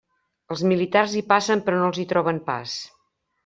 Els militars hi passen però no els hi troben pas.